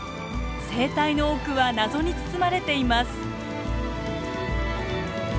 生態の多くは謎に包まれています。